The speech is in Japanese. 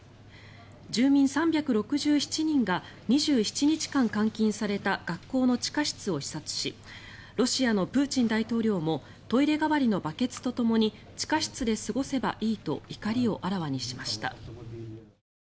住民３６７人が２７日間監禁された学校の地下室を視察しロシアのプーチン大統領もトイレ代わりのバケツとともに地下室で過ごせばいいと怒りをあらわにしました。